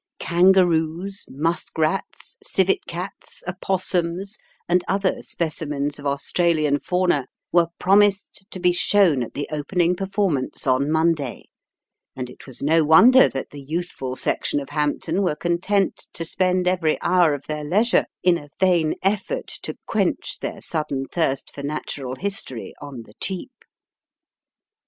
Kangaroos, Muskrats, Civet cats, Opossums, and other specimens of Australian fauna were promised to be shown at the opening performance on Monday, and it was no wonder that the youthful section of Hampton were content to spend every hour of their leisure in a vain effort to quench their sudden thirst for natural history on the cheap.